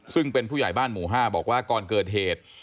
ซึ่งเป็นผู้ใหญ่บ้านหมู่๕บอกว่าก่อนเกิดเหตุ